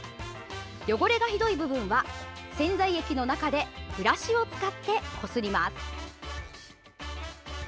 汚れがひどい部分は洗剤液の中でブラシを使ってこすります。